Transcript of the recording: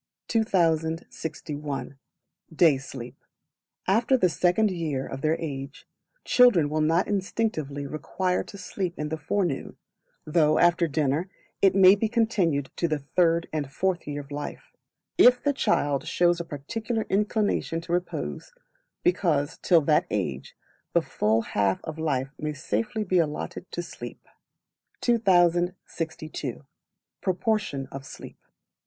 2061. Day Sleep. After the Second Year of their age, children will not instinctively require to sleep in the forenoon, though after dinner it may be continued to the third and fourth year of life, if the child shows a particular inclination to repose; because, till that age, the full half of life may safely be allotted to sleep. 2062. Proportion of Sleep.